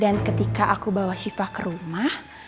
dan ketika aku bawa siva ke rumah